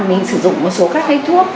mình sử dụng một số các cái thuốc